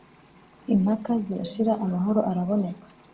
impaka zirashira amahoro araboneka